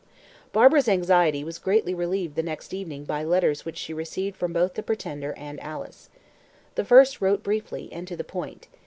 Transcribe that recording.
Barbara's anxiety was greatly relieved the next evening by letters which she received from both the "Pretender" and Alice. The first wrote briefly, and to the point.